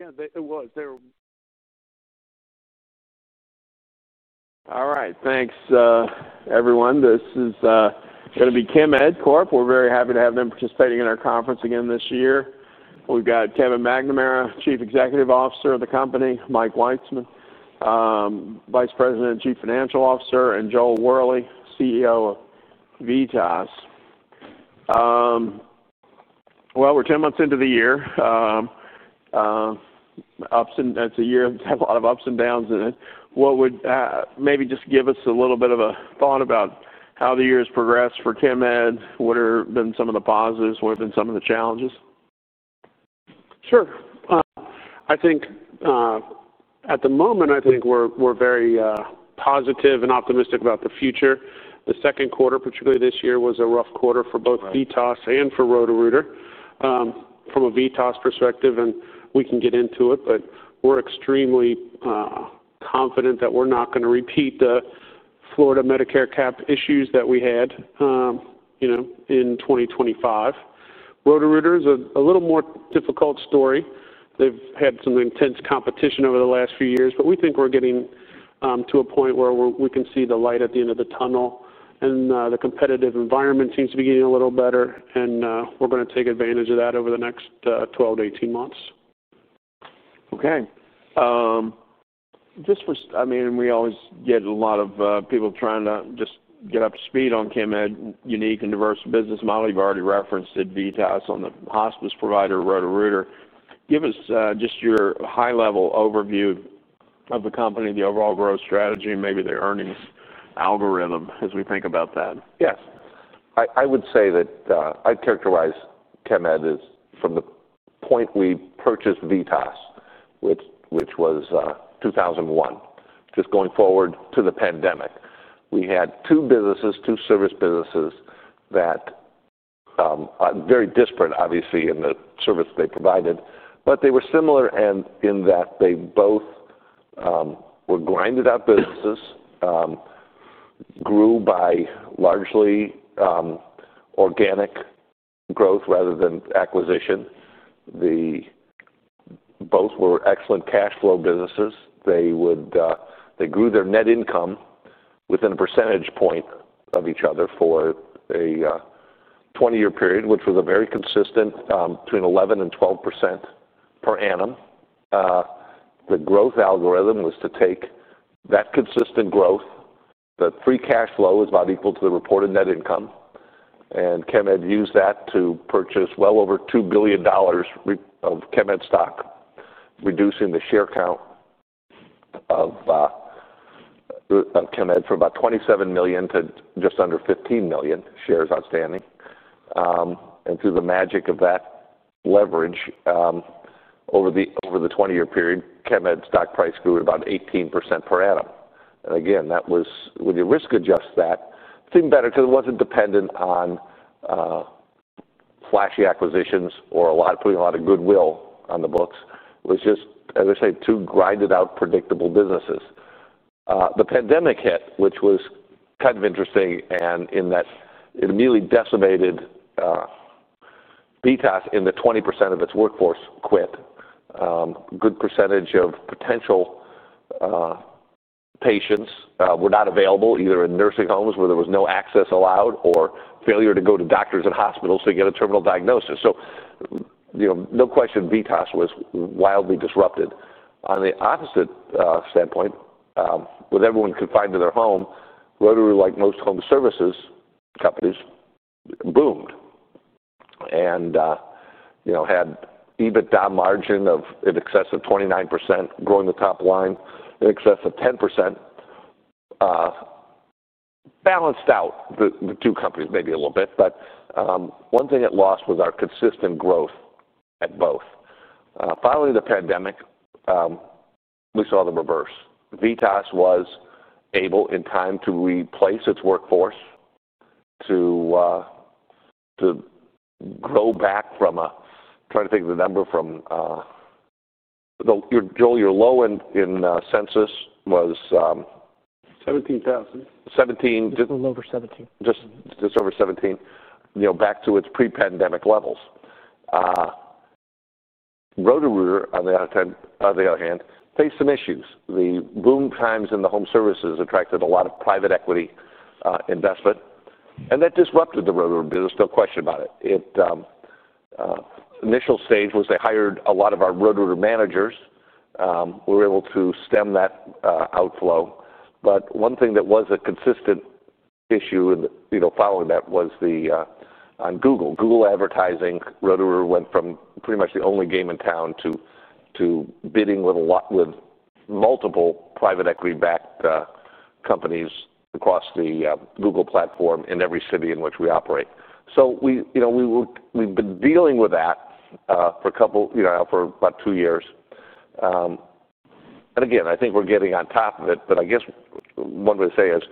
Yeah, it was. All right, thanks, everyone. This is going to be Chemed. We're very happy to have them participating in our conference again this year. We've got Kevin McNamara, Chief Executive Officer of the company, Mike Weitzman, Vice President and Chief Financial Officer, and Joel Worley, CEO of VITAS. We're 10 months into the year. Ups and downs—it's a year that's had a lot of ups and downs in it. Maybe just give us a little bit of a thought about how the year has progressed for Chemed. What have been some of the positives? What have been some of the challenges? Sure. I think, at the moment, I think we're very positive and optimistic about the future. The second quarter, particularly this year, was a rough quarter for both VITAS and for Roto-Rooter, from a VITAS perspective. We can get into it, but we're extremely confident that we're not going to repeat the Florida Medicare cap issues that we had, you know, in 2025. Roto-Rooter is a little more difficult story. They've had some intense competition over the last few years, but we think we're getting to a point where we can see the light at the end of the tunnel. The competitive environment seems to be getting a little better, and we're going to take advantage of that over the next 12-18 months. Okay. Just for—I mean, we always get a lot of people trying to just get up to speed on Chemed's unique and diverse business model. You've already referenced it: VITAS on the hospice provider, Roto-Rooter. Give us just your high-level overview of the company, the overall growth strategy, and maybe the earnings algorithm as we think about that. Yes. I would say that, I'd characterize Chemed as, from the point we purchased VITAS, which was 2001, just going forward to the pandemic, we had two businesses, two service businesses that are very disparate, obviously, in the service they provided. They were similar in that they both were grinded-out businesses, grew by largely organic growth rather than acquisition. They both were excellent cash flow businesses. They grew their net income within a percentage point of each other for a 20-year period, which was very consistent, between 11% and 12% per annum. The growth algorithm was to take that consistent growth, the free cash flow is about equal to the reported net income, and Chemed used that to purchase well over $2 billion of Chemed stock, reducing the share count of, of Chemed from about 27 million to just under 15 million shares outstanding. Through the magic of that leverage, over the 20-year period, Chemed stock price grew at about 18% per annum. Again, that was—when you risk-adjust that, it seemed better because it was not dependent on flashy acquisitions or a lot of putting a lot of goodwill on the books. It was just, as I say, two grinded-out, predictable businesses. The pandemic hit, which was kind of interesting, in that it immediately decimated VITAS in that 20% of its workforce quit. A good percentage of potential patients were not available either in nursing homes where there was no access allowed or failure to go to doctors and hospitals to get a terminal diagnosis. So, you know, no question VITAS was wildly disrupted. On the opposite standpoint, with everyone confined to their home, Roto-Rooter, like most home services companies, boomed and, you know, had EBITDA margin of in excess of 29%, growing the top line in excess of 10%. Balanced out the two companies maybe a little bit, but one thing it lost was our consistent growth at both. Following the pandemic, we saw the reverse. VITAS was able, in time, to replace its workforce, to grow back from a—trying to think of the number from, Joel, your low end in census was? 17,000. Just a little over 17,000. Just over 17,000, you know, back to its pre-pandemic levels. Roto-Rooter, on the other hand, faced some issues. The boom times in the home services attracted a lot of private equity investment, and that disrupted the Roto-Rooter business. No question about it. The initial stage was they hired a lot of our Roto-Rooter managers. We were able to stem that outflow. One thing that was a consistent issue following that was on Google. Google advertising, Roto-Rooter went from pretty much the only game in town to bidding with multiple private equity-backed companies across the Google platform in every city in which we operate. We have been dealing with that for about two years. Again, I think we're getting on top of it, but I guess one way to say it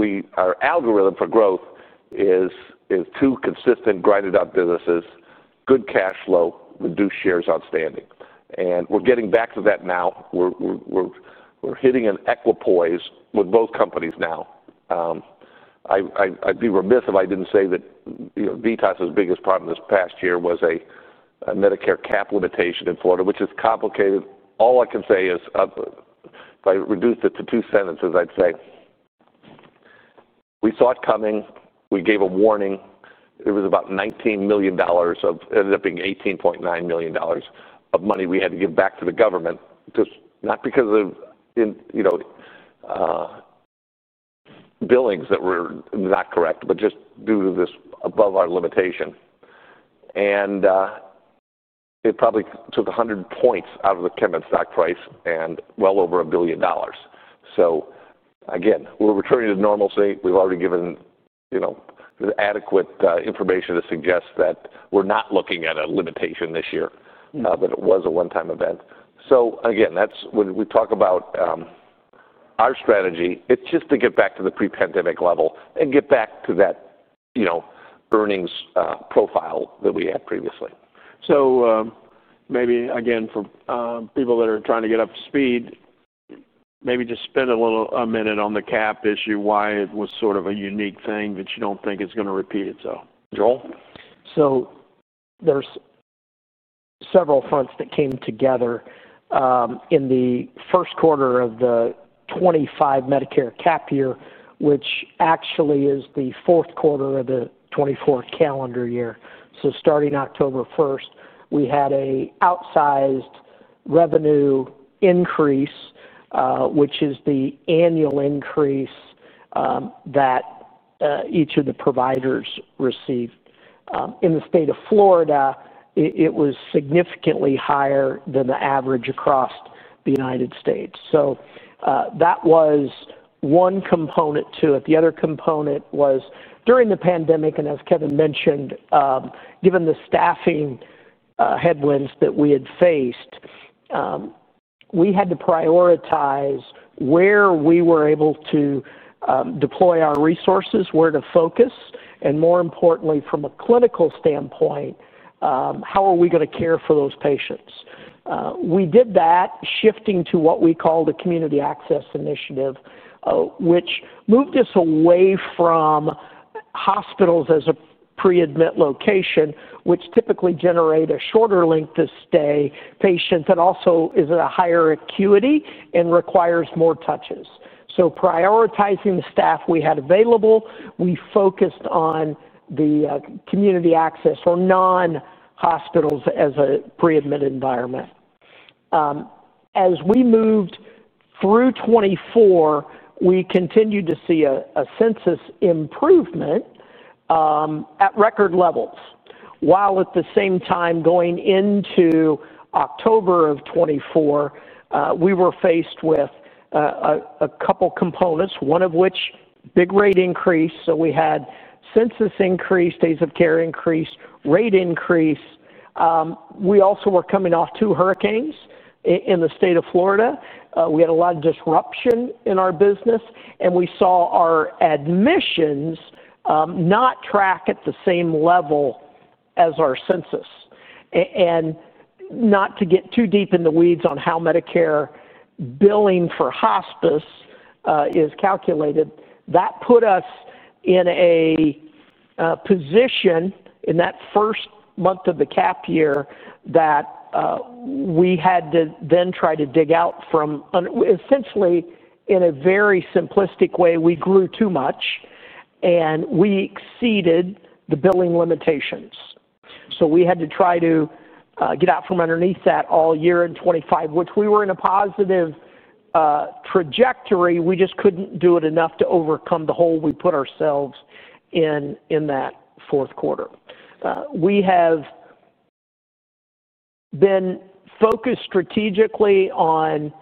is our algorithm for growth is two consistent grinded-out businesses, good cash flow, reduced shares outstanding. We're getting back to that now. We're hitting an equipoise with both companies now. I'd be remiss if I didn't say that, you know, VITAS's biggest problem this past year was a Medicare cap limitation in Florida, which is complicated. All I can say is, if I reduced it to two sentences, I'd say we saw it coming. We gave a warning. It was about $19 million—ended up being $18.9 million of money we had to give back to the government, just not because of, you know, billings that were not correct, but just due to this above-our-limitation. It probably took 100 points out of the Chemed stock price and well over a billion dollars. Again, we're returning to normalcy. We've already given, you know, adequate information to suggest that we're not looking at a limitation this year, that it was a one-time event. Again, that's when we talk about our strategy, it's just to get back to the pre-pandemic level and get back to that, you know, earnings profile that we had previously. Maybe again for people that are trying to get up to speed, maybe just spend a little—a minute on the cap issue, why it was sort of a unique thing that you don't think is going to repeat itself. Joel? There are several fronts that came together, in the first quarter of the 2025 Medicare cap year, which actually is the fourth quarter of the 2024 calendar year. Starting October 1, we had an outsized revenue increase, which is the annual increase that each of the providers received. In the state of Florida, it was significantly higher than the average across the United States. That was one component to it. The other component was during the pandemic, and as Kevin mentioned, given the staffing headwinds that we had faced, we had to prioritize where we were able to deploy our resources, where to focus, and more importantly, from a clinical standpoint, how are we going to care for those patients? We did that, shifting to what we call the Community Access Initiative, which moved us away from hospitals as a pre-admit location, which typically generate a shorter length of stay patient that also is at a higher acuity and requires more touches. Prioritizing the staff we had available, we focused on the community access or non-hospitals as a pre-admit environment. As we moved through 2024, we continued to see a census improvement, at record levels. While at the same time, going into October of 2024, we were faced with a couple components, one of which was a big rate increase. We had census increase, days of care increase, rate increase. We also were coming off two hurricanes in the state of Florida. We had a lot of disruption in our business, and we saw our admissions not track at the same level as our census. And not to get too deep in the weeds on how Medicare billing for hospice is calculated, that put us in a position in that first month of the cap year that we had to then try to dig out from, essentially in a very simplistic way, we grew too much and we exceeded the billing limitations. So we had to try to get out from underneath that all year in 2025, which we were in a positive trajectory. We just could not do it enough to overcome the hole we put ourselves in, in that fourth quarter. We have been focused strategically on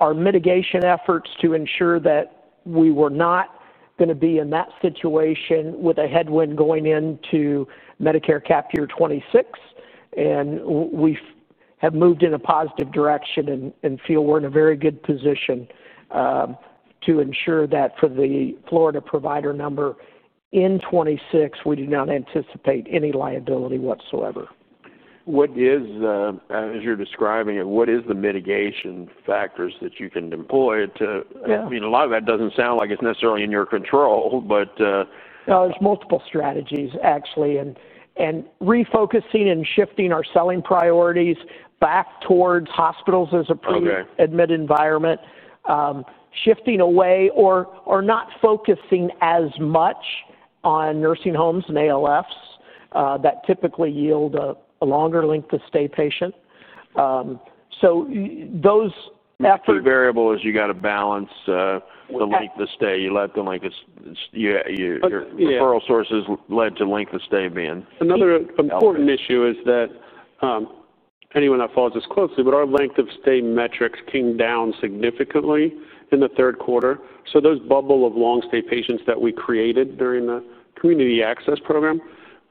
our mitigation efforts to ensure that we were not going to be in that situation with a headwind going into Medicare cap year 2026. We have moved in a positive direction and feel we're in a very good position to ensure that for the Florida provider number in 2026, we do not anticipate any liability whatsoever. What is, as you're describing it, what is the mitigation factors that you can employ to? Yeah. I mean, a lot of that doesn't sound like it's necessarily in your control, but. No, there's multiple strategies, actually, and refocusing and shifting our selling priorities back towards hospitals as a pre-admit environment, shifting away or not focusing as much on nursing homes and ALFs, that typically yield a longer length of stay patient. So those after. The key variable is you got to balance the length of stay. You let the length of your referral sources lead to length of stay being. Another important issue is that, anyone that follows us closely, our length of stay metrics came down significantly in the third quarter. Those bubble of long-stay patients that we created during the Community Access Program,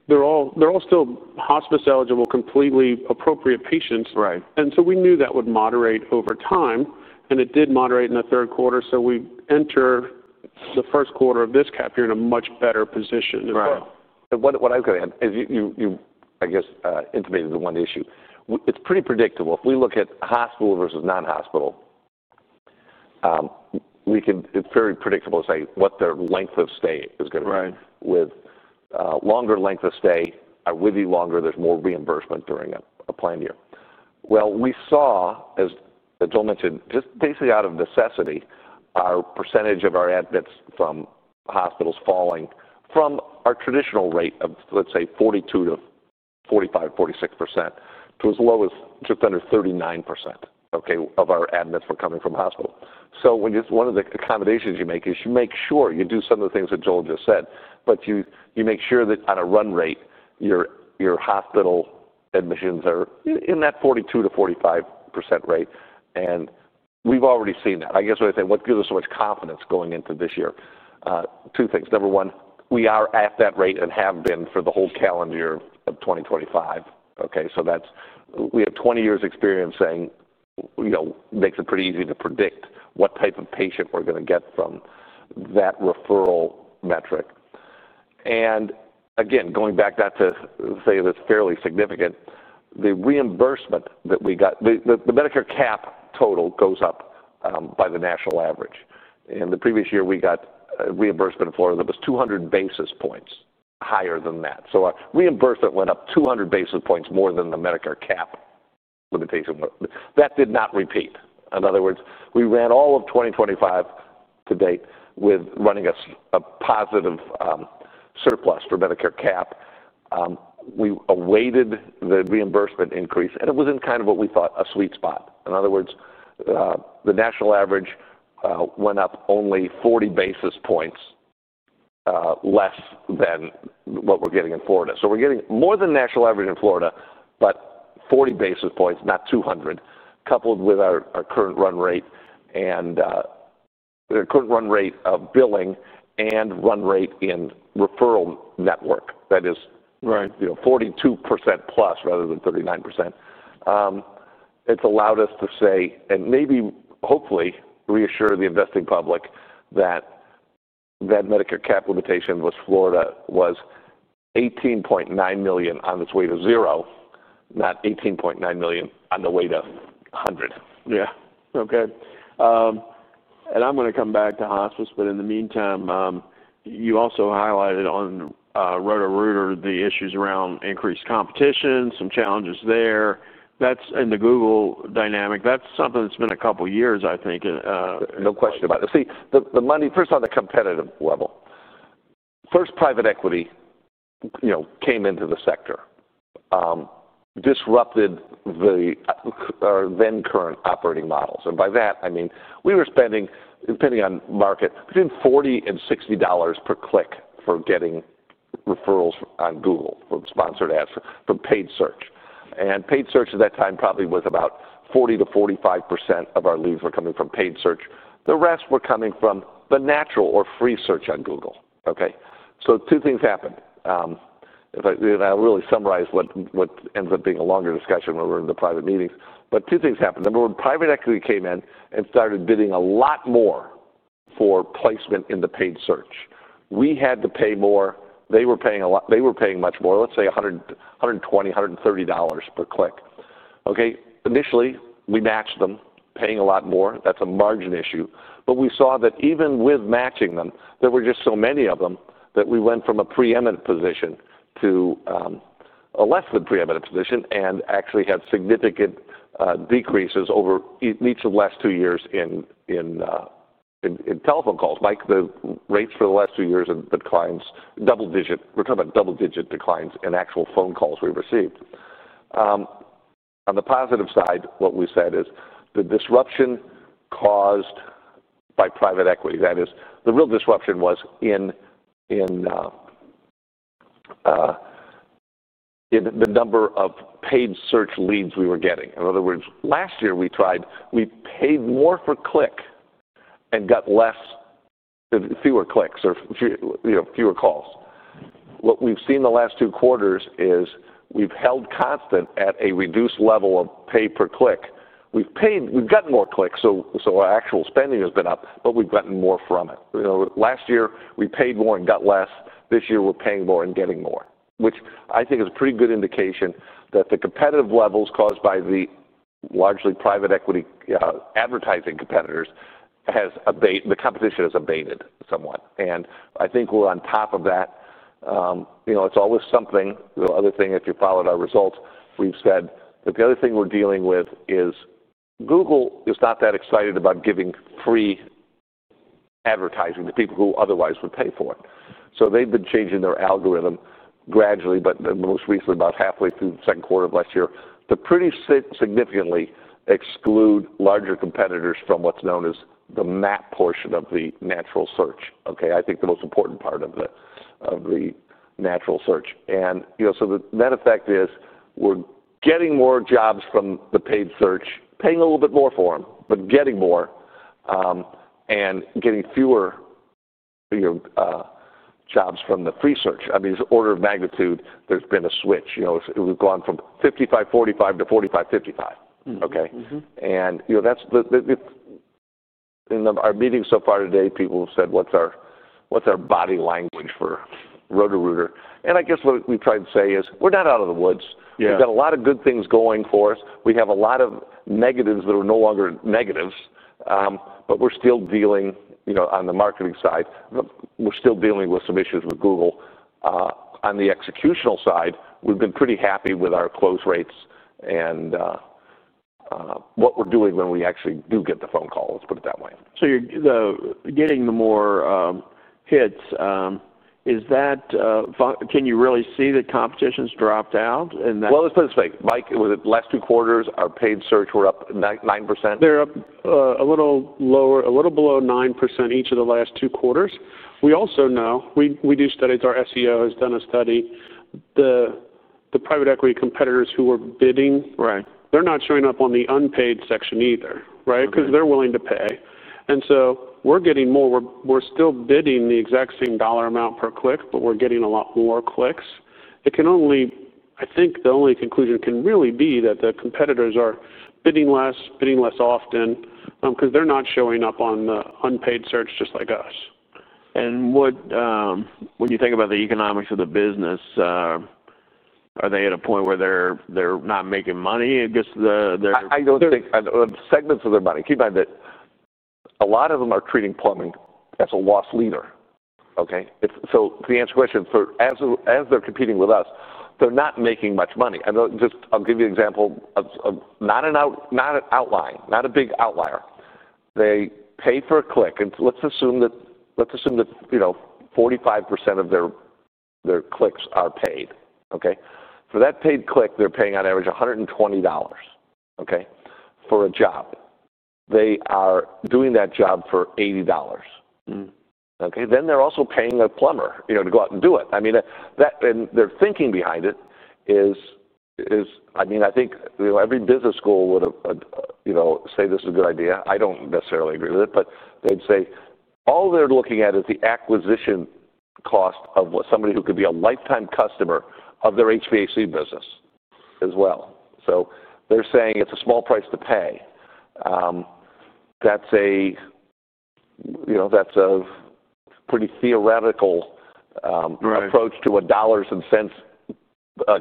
they're all still hospice-eligible, completely appropriate patients. Right. We knew that would moderate over time, and it did moderate in the third quarter. We enter the first quarter of this cap year in a much better position as well. Right. What I was going to add is you, I guess, intimated the one issue. It's pretty predictable. If we look at hospital versus non-hospital, we can, it's very predictable to say what their length of stay is going to be. Right. With longer length of stay, are with you longer, there is more reimbursement during a plan year. As Joel mentioned, just basically out of necessity, our percentage of our admits from hospitals falling from our traditional rate of, let's say, 42-45, 46% to as low as just under 39%, okay, of our admits were coming from hospital. When you—one of the accommodations you make is you make sure you do some of the things that Joel just said, but you make sure that on a run rate, your hospital admissions are in that 42-45% rate. We have already seen that. I guess what I say, what gives us so much confidence going into this year? Two things. Number one, we are at that rate and have been for the whole calendar year of 2025, okay? That's, we have 20 years' experience saying, you know, makes it pretty easy to predict what type of patient we're going to get from that referral metric. And again, going back to say this, fairly significant, the reimbursement that we got, the Medicare cap total goes up by the national average. In the previous year, we got a reimbursement in Florida that was 200 basis points higher than that. Our reimbursement went up 200 basis points more than the Medicare cap limitation went. That did not repeat. In other words, we ran all of 2025 to date with running a positive surplus for Medicare cap. We awaited the reimbursement increase, and it was in kind of what we thought a sweet spot. In other words, the national average went up only 40 basis points less than what we're getting in Florida. We're getting more than the national average in Florida, but 40 basis points, not 200, coupled with our current run rate and the current run rate of billing and run rate in referral network. That is. Right. You know, 42% plus rather than 39%. It's allowed us to say and maybe hopefully reassure the investing public that that Medicare cap limitation was Florida was $18.9 million on its way to zero, not $18.9 million on the way to 100. Yeah. Okay. and I'm going to come back to hospice, but in the meantime, you also highlighted on, Roto-Rooter the issues around increased competition, some challenges there. That's in the Google dynamic. That's something that's been a couple of years, I think, in, No question about it. See, the money first on the competitive level, first private equity, you know, came into the sector, disrupted our then current operating models. By that, I mean, we were spending, depending on market, between $40 and $60 per click for getting referrals on Google for sponsored ads for paid search. Paid search at that time probably was about 40%-45% of our leads were coming from paid search. The rest were coming from the natural or free search on Google, okay? Two things happened. If I really summarize what ends up being a longer discussion when we're in the private meetings, but two things happened. Number one, private equity came in and started bidding a lot more for placement in the paid search. We had to pay more. They were paying a lot, they were paying much more, let's say $100, $120, $130 per click, okay? Initially, we matched them, paying a lot more. That's a margin issue. We saw that even with matching them, there were just so many of them that we went from a preeminent position to a less than preeminent position and actually had significant decreases over each of the last two years in telephone calls, like the rates for the last two years and declines, double-digit—we're talking about double-digit declines in actual phone calls we received. On the positive side, what we said is the disruption caused by private equity, that is, the real disruption was in the number of paid search leads we were getting. In other words, last year we tried, we paid more per click and got less, fewer clicks or few, you know, fewer calls. What we've seen the last two quarters is we've held constant at a reduced level of pay per click. We've paid, we've gotten more clicks, so our actual spending has been up, but we've gotten more from it. You know, last year we paid more and got less. This year we're paying more and getting more, which I think is a pretty good indication that the competitive levels caused by the largely private equity, advertising competitors has abated, the competition has abated somewhat. I think we're on top of that. You know, it's always something. The other thing, if you followed our results, we've said that the other thing we're dealing with is Google is not that excited about giving free advertising to people who otherwise would pay for it. They have been changing their algorithm gradually, but most recently about halfway through the second quarter of last year, to pretty significantly exclude larger competitors from what's known as the map portion of the natural search, okay? I think the most important part of the, of the natural search. And, you know, so that effect is we're getting more jobs from the paid search, paying a little bit more for them, but getting more, and getting fewer, you know, jobs from the free search. I mean, as order of magnitude, there's been a switch. You know, it's gone from 55, 45 to 45, 55, okay? Mm-hmm. You know, that's the, in our meetings so far today, people have said, "What's our, what's our body language for Roto-Rooter?" I guess what we've tried to say is we're not out of the woods. Yeah. We've got a lot of good things going for us. We have a lot of negatives that are no longer negatives, but we're still dealing, you know, on the marketing side. We're still dealing with some issues with Google. On the executional side, we've been pretty happy with our close rates and, what we're doing when we actually do get the phone call, let's put it that way. So you're getting the more hits, is that, can you really see the competition's dropped out in that? Let's put it this way. Mike, was it last two quarters our paid search were up 9, 9%? They're up, a little lower, a little below 9% each of the last two quarters. We also know we do studies. Our SEO has done a study. The private equity competitors who were bidding. Right. They're not showing up on the unpaid section either, right? Okay. Because they're willing to pay. We're still bidding the exact same dollar amount per click, but we're getting a lot more clicks. I think the only conclusion can really be that the competitors are bidding less, bidding less often, because they're not showing up on the unpaid search just like us. When you think about the economics of the business, are they at a point where they're not making money against their. I don't think. Segments of their money. Keep in mind that a lot of them are treating plumbing as a loss leader, okay? It's, to answer the question, as they're competing with us, they're not making much money. I'll give you an example of not an outlier, not a big outlier. They pay for a click. Let's assume that, you know, 45% of their clicks are paid, okay? For that paid click, they're paying on average $120, okay, for a job. They are doing that job for $80, okay? They're also paying a plumber, you know, to go out and do it. I mean, their thinking behind it is, I mean, I think, you know, every business school would, you know, say this is a good idea. I don't necessarily agree with it, but they'd say all they're looking at is the acquisition cost of somebody who could be a lifetime customer of their HVAC business as well. So they're saying it's a small price to pay. That's a, you know, that's a pretty theoretical, Right. Approach to a dollars and cents,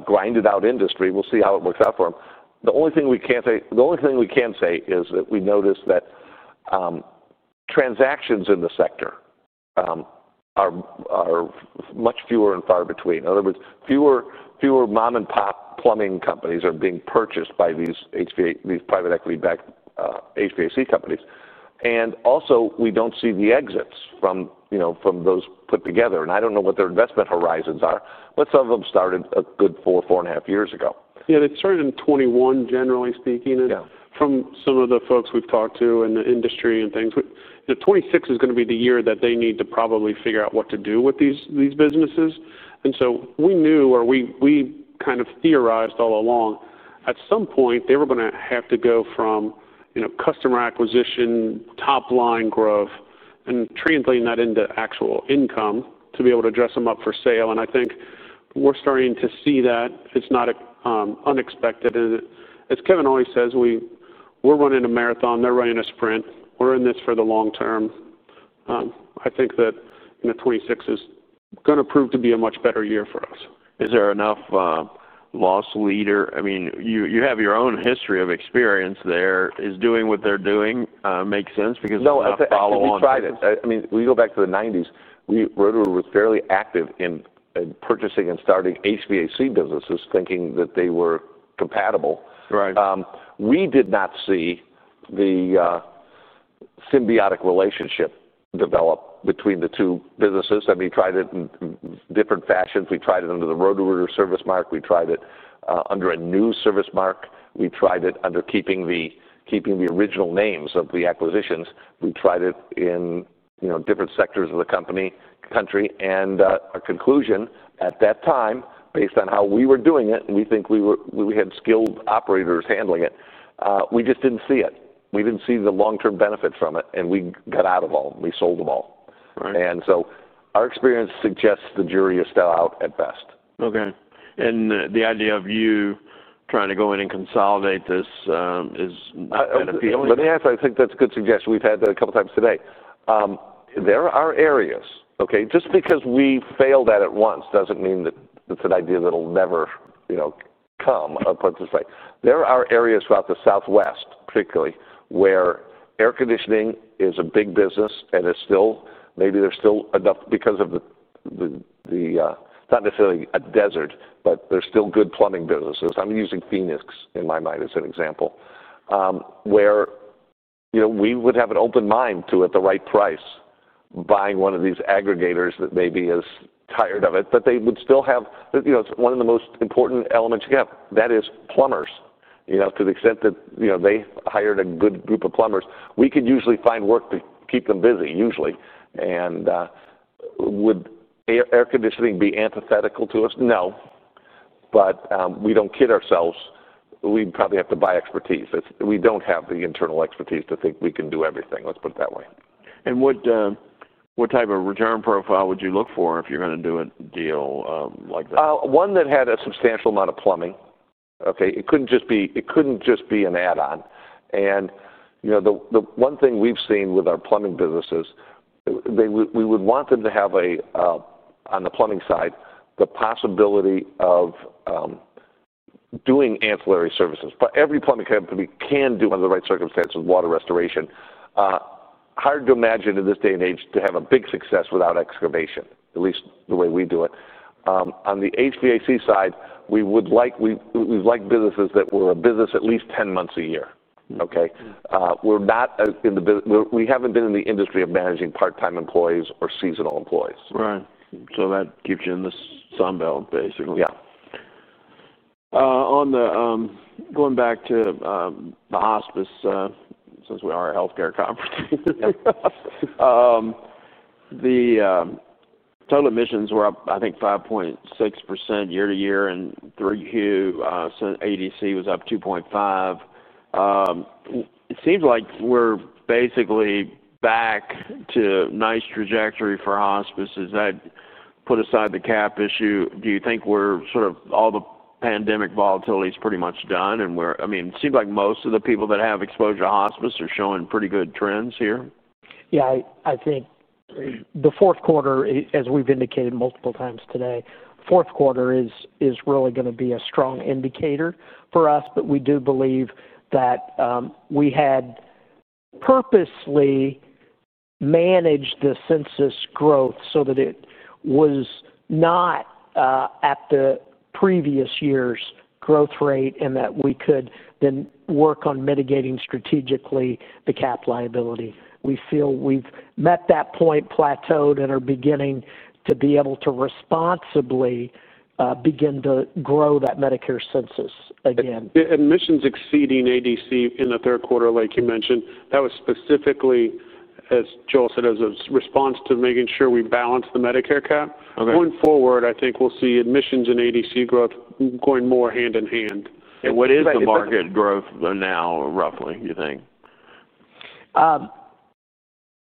grinded out industry. We'll see how it works out for them. The only thing we can say is that we noticed that transactions in the sector are much fewer and far between. In other words, fewer mom-and-pop plumbing companies are being purchased by these HVAC, these private equity-backed HVAC companies. Also, we don't see the exits from, you know, from those put together. I don't know what their investment horizons are, but some of them started a good four, four and a half years ago. Yeah. They started in 2021, generally speaking. Yeah. From some of the folks we've talked to in the industry and things, you know, 2026 is going to be the year that they need to probably figure out what to do with these businesses. We knew, or we kind of theorized all along, at some point they were going to have to go from customer acquisition, top-line growth, and translating that into actual income to be able to dress them up for sale. I think we're starting to see that. It's not unexpected. As Kevin always says, we are running a marathon. They're running a sprint. We're in this for the long term. I think that, you know, 2026 is going to prove to be a much better year for us. Is there enough, lost leader? I mean, you have your own history of experience there. Is doing what they're doing make sense? Because we follow on that. No, at the, we tried it. I mean, we go back to the 1990s. Roto-Rooter was fairly active in purchasing and starting HVAC businesses, thinking that they were compatible. Right. We did not see the symbiotic relationship develop between the two businesses. I mean, we tried it in different fashions. We tried it under the Roto-Rooter service mark. We tried it under a new service mark. We tried it under keeping the original names of the acquisitions. We tried it in, you know, different sectors of the country. Our conclusion at that time, based on how we were doing it, and we think we had skilled operators handling it, we just did not see it. We did not see the long-term benefits from it, and we got out of all. We sold them all. Right. Our experience suggests the jury is still out at best. Okay. The idea of you trying to go in and consolidate this is not kind of appealing? Let me ask. I think that's a good suggestion. We've had that a couple of times today. There are areas, okay? Just because we failed at it once doesn't mean that it's an idea that'll never, you know, come, put it this way. There are areas throughout the Southwest, particularly, where air conditioning is a big business and is still, maybe there's still enough because of the, not necessarily a desert, but there's still good plumbing businesses. I'm using Phoenix in my mind as an example, where, you know, we would have an open mind to, at the right price, buying one of these aggregators that maybe is tired of it, but they would still have, you know, one of the most important elements you have. That is plumbers, you know, to the extent that, you know, they hired a good group of plumbers. We could usually find work to keep them busy, usually. Would air, air conditioning be antithetical to us? No. We do not kid ourselves. We would probably have to buy expertise. We do not have the internal expertise to think we can do everything. Let's put it that way. What type of return profile would you look for if you're going to do a deal like that? One that had a substantial amount of plumbing, okay? It could not just be, it could not just be an add-on. You know, the one thing we have seen with our plumbing businesses, we would want them to have, on the plumbing side, the possibility of doing ancillary services. Every plumbing company can do, under the right circumstances, water restoration. Hard to imagine in this day and age to have a big success without excavation, at least the way we do it. On the HVAC side, we would like, we would like businesses that were a business at least 10 months a year, okay? We are not in the business, we have not been in the industry of managing part-time employees or seasonal employees. Right. So that keeps you in the Sunbelt basically. Yeah. On the, going back to, the hospice, since we are a healthcare company. Yep. The total emissions were up, I think, 5.6% year to year, and through Q, ADC was up 2.5%. It seems like we're basically back to a nice trajectory for hospices. That put aside the cap issue, do you think we're sort of, all the pandemic volatility is pretty much done and we're, I mean, it seems like most of the people that have exposure to hospice are showing pretty good trends here? Yeah. I think the fourth quarter, as we've indicated multiple times today, fourth quarter is really going to be a strong indicator for us, but we do believe that we had purposely managed the census growth so that it was not at the previous year's growth rate and that we could then work on mitigating strategically the cap liability. We feel we've met that point, plateaued, and are beginning to be able to responsibly begin to grow that Medicare census again. Admissions exceeding ADC in the third quarter, like you mentioned, that was specifically, as Joel said, as a response to making sure we balance the Medicare cap. Okay. Going forward, I think we'll see admissions and ADC growth going more hand in hand. What is the market growth now, roughly, do you think?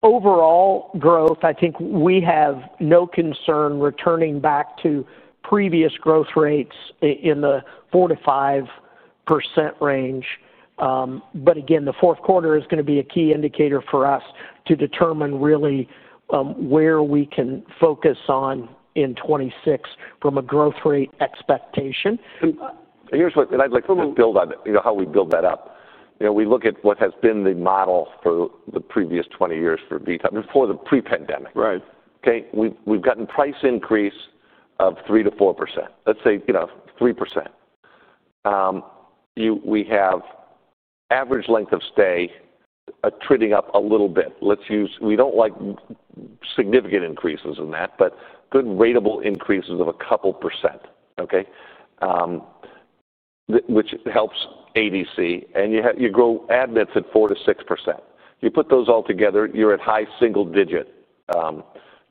Overall growth, I think we have no concern returning back to previous growth rates in the 4-5% range. However, again, the fourth quarter is going to be a key indicator for us to determine really, where we can focus on in 2026 from a growth rate expectation. Here's what I'd like to build on, you know, how we build that up. You know, we look at what has been the model for the previous 20 years for VITAS before the pre-pandemic. Right. Okay? We've gotten price increase of 3-4%. Let's say, you know, 3%. You, we have average length of stay trending up a little bit. Let's use, we don't like significant increases in that, but good ratable increases of a couple percent, okay? Which helps ADC, and you grow admins at 4-6%. You put those all together, you're at high single-digit,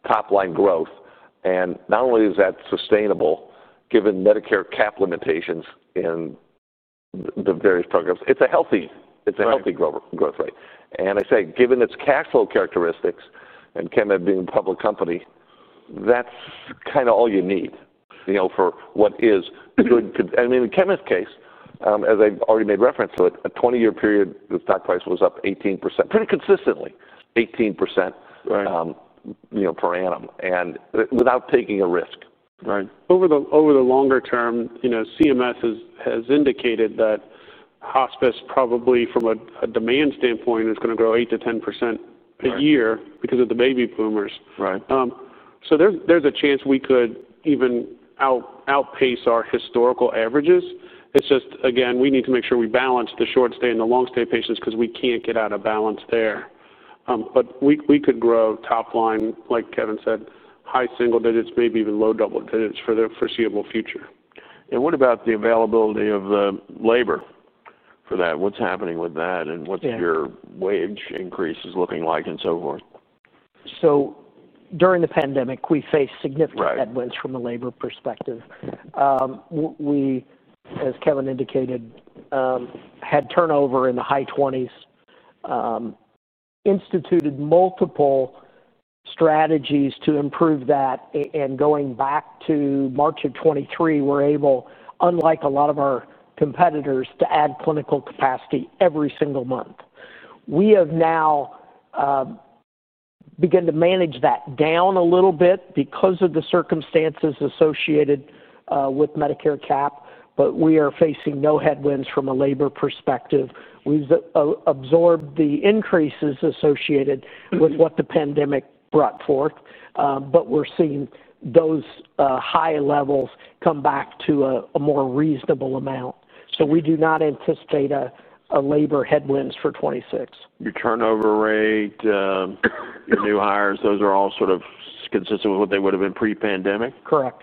top-line growth. Not only is that sustainable, given Medicare cap limitations in the various programs, it's a healthy, it's a healthy growth rate. I say, given its cash flow characteristics and Kevin being a public company, that's kind of all you need, you know, for what is good. I mean, in Kevin's case, as I've already made reference to it, a 20-year period, the stock price was up 18%, pretty consistently. 18%. Right. you know, per annum and without taking a risk. Right. Over the longer term, you know, CMS has indicated that hospice probably from a demand standpoint is going to grow 8-10% a year because of the baby boomers. Right. There's a chance we could even outpace our historical averages. It's just, again, we need to make sure we balance the short-stay and the long-stay patients because we can't get out of balance there. We could grow top-line, like Kevin said, high single digits, maybe even low double digits for the foreseeable future. What about the availability of the labor for that? What's happening with that and what's your wage increases looking like and so forth? During the pandemic, we faced significant headwinds from a labor perspective. We, as Kevin indicated, had turnover in the high 20s, instituted multiple strategies to improve that, and going back to March of 2023, were able, unlike a lot of our competitors, to add clinical capacity every single month. We have now begun to manage that down a little bit because of the circumstances associated with Medicare cap, but we are facing no headwinds from a labor perspective. We've absorbed the increases associated with what the pandemic brought forth, but we're seeing those high levels come back to a more reasonable amount. We do not anticipate a labor headwinds for 2026. Your turnover rate, your new hires, those are all sort of consistent with what they would have been pre-pandemic? Correct.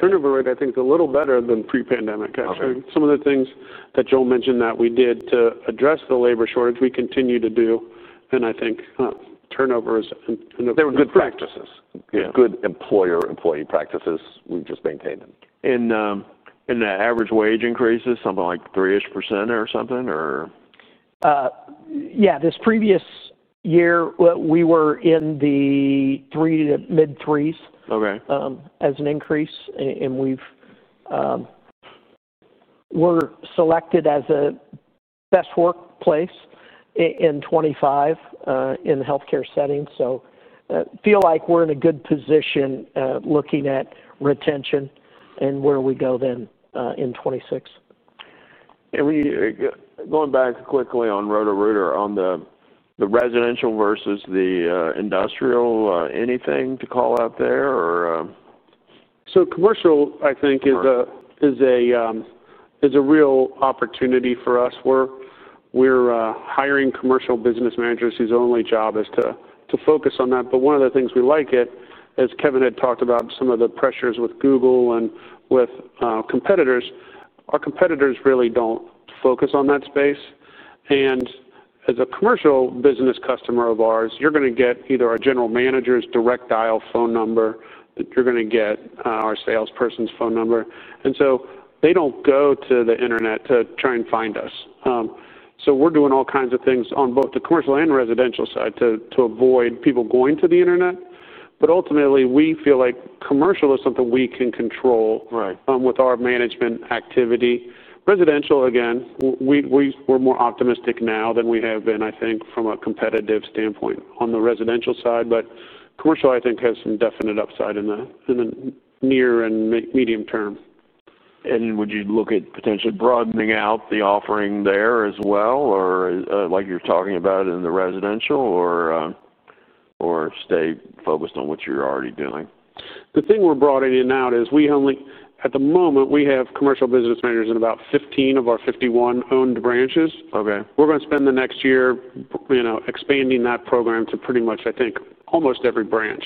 Turnover rate, I think, is a little better than pre-pandemic. Okay. I think some of the things that Joel mentioned that we did to address the labor shortage, we continue to do, and I think turnover is an. They were good practices. Good employer, employee practices. We've just maintained them. The average wage increase is something like 3%-ish or something, or? Yeah. This previous year, we were in the three to mid-threes. Okay. as an increase, and we've, we're selected as a best workplace in 2025, in the healthcare setting. So, feel like we're in a good position, looking at retention. And where we go then, in 2026. We, going back quickly on Roto-Rooter, on the residential versus the industrial, anything to call out there, or, Commercial, I think, is a real opportunity for us. We're hiring commercial business managers whose only job is to focus on that. One of the things we like, as Kevin had talked about, is some of the pressures with Google and with competitors. Our competitors really do not focus on that space. As a commercial business customer of ours, you're going to get either our general manager's direct dial phone number or our salesperson's phone number. They do not go to the internet to try and find us. We are doing all kinds of things on both the commercial and residential side to avoid people going to the internet. Ultimately, we feel like commercial is something we can control. Right. With our management activity. Residential, again, we were more optimistic now than we have been, I think, from a competitive standpoint on the residential side. Commercial, I think, has some definite upside in the near and medium term. Would you look at potentially broadening out the offering there as well, or, like you're talking about in the residential, or stay focused on what you're already doing? The thing we're broadening out is we only, at the moment, we have commercial business managers in about 15 of our 51 owned branches. Okay. We're going to spend the next year, you know, expanding that program to pretty much, I think, almost every branch.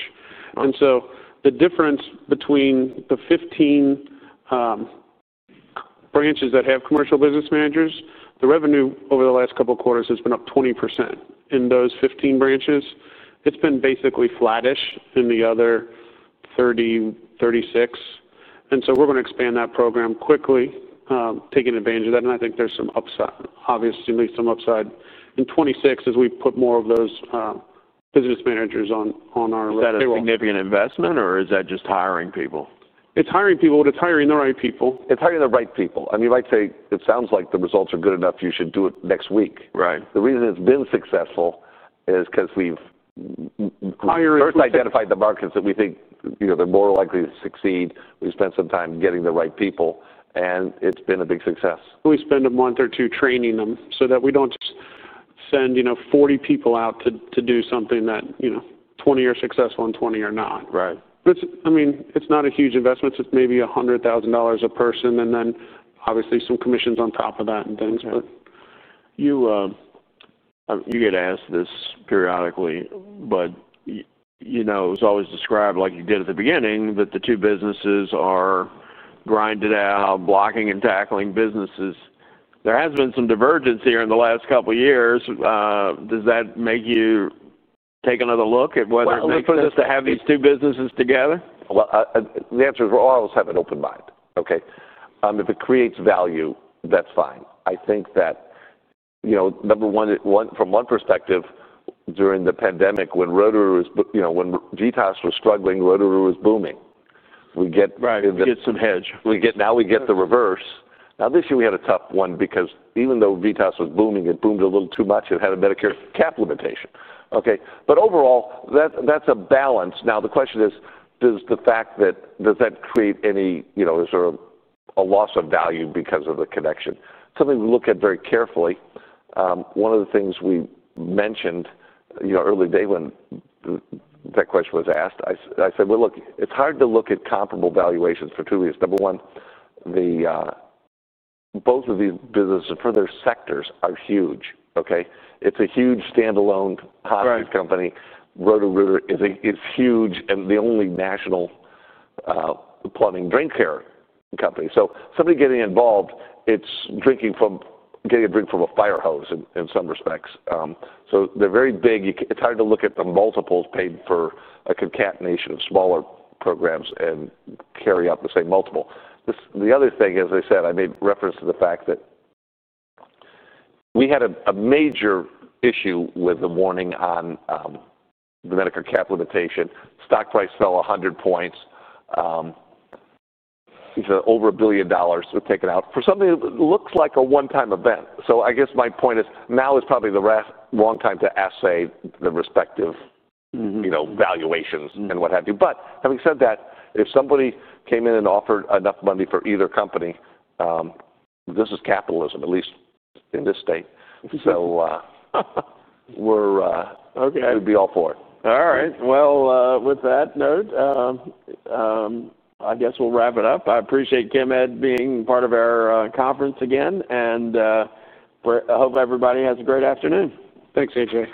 The difference between the 15 branches that have commercial business managers, the revenue over the last couple of quarters has been up 20%. In those 15 branches, it's been basically flattish in the other 30-36. We're going to expand that program quickly, taking advantage of that. I think there's some upside, obviously, at least some upside in 2026 as we put more of those business managers on our reticle. Is that a significant investment, or is that just hiring people? It's hiring people, but it's hiring the right people. It's hiring the right people. I mean, you might say it sounds like the results are good enough. You should do it next week. Right. The reason it's been successful is because we've first identified the markets that we think, you know, they're more likely to succeed. We spent some time getting the right people, and it's been a big success. We spend a month or two training them so that we do not just send, you know, 40 people out to, to do something that, you know, 20 are successful and 20 are not. Right. But it's, I mean, it's not a huge investment. It's maybe $100,000 a person, and then obviously some commissions on top of that and things. But. You get asked this periodically, but you know, it was always described like you did at the beginning that the two businesses are grinded out, blocking and tackling businesses. There has been some divergence here in the last couple of years. Does that make you take another look at whether it makes sense to have these two businesses together? The answer is we always have an open mind, okay? If it creates value, that's fine. I think that, you know, number one, from one perspective, during the pandemic when Roto-Rooter was, you know, when VITAS was struggling, Roto-Rooter was booming. We get. Right. We get some hedge. We get, now we get the reverse. Now this year we had a tough one because even though VITAS was booming, it boomed a little too much. It had a Medicare cap limitation, okay? Overall, that, that's a balance. The question is, does the fact that, does that create any, you know, is there a loss of value because of the connection? Something we look at very carefully. One of the things we mentioned, you know, early day when that question was asked, I, I said, look, it's hard to look at comparable valuations for two reasons. Number one, both of these businesses for their sectors are huge, okay? It's a huge standalone hospice company. Roto-Rooter is huge, and the only national plumbing drain care company. Somebody getting involved, it's drinking from, getting a drink from a fire hose in some respects. They're very big. It's hard to look at the multiples paid for a concatenation of smaller programs and carry out the same multiple. The other thing, as I said, I made reference to the fact that we had a major issue with the warning on the Medicare cap limitation. Stock price fell 100 points. It's over $1 billion taken out for something that looks like a one-time event. I guess my point is now is probably the wrong time to assay the respective, you know, valuations and what have you. Having said that, if somebody came in and offered enough money for either company, this is capitalism, at least in this state. We're, Okay. We'd be all for it. All right. With that note, I guess we'll wrap it up. I appreciate Kevin being part of our conference again, and I hope everybody has a great afternoon. Thanks, AJ.